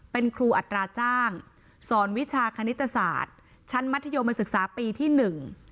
เป็นครูอัตราจ้างสอนวิชาคณิตศาสตร์ชั้นมัธยมศึกษาปีที่หนึ่ง